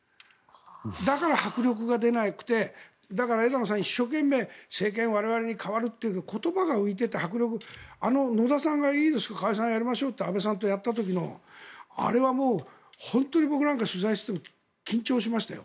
だから迫力が出なくてだから枝野さん、一生懸命政権、我々に代わるって言葉が浮いている迫力が野田さんがいいです、解散やりましょうと安倍さんとやった時のあれはもう、本当に僕なんかは取材した時も緊張しましたよ。